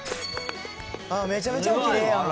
「めちゃめちゃおきれいやん」